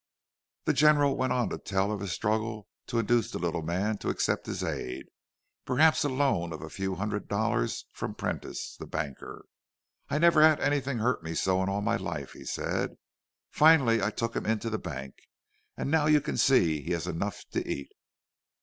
The General went on to tell of his struggle to induce the little man to accept his aid—to accept a loan of a few hundreds of dollars from Prentice, the banker! "I never had anything hurt me so in all my life," he said. "Finally I took him into the bank—and now you can see he has enough to eat!"